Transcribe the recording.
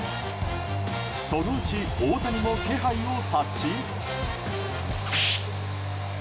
そのうち大谷も気配を察し。